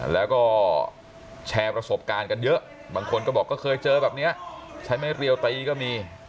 แล้วก็แชร์ประสบการณ์กันเยอะบางคนก็บอกก็เคยเจอแบบนี้ใช้ไม้เรียวตีก็มี